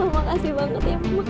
makasih banget ya makasih